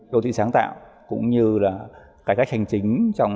đô thị sáng tạo cũng như là cải trách hành chính